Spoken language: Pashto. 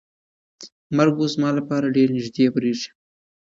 مرګ اوس زما لپاره ډېر نږدې برېښي.